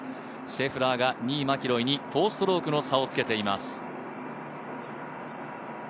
シェフラーが２位マキロイに４ストロークの差をつけています。